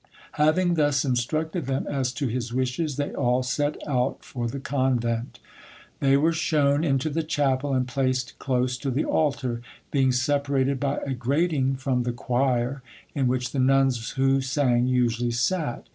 Having thus instructed them as to his wishes, they all set out for the convent. They were shown into the chapel and placed close to the altar, being separated by a grating from the choir, in which the nuns who sang usually sat.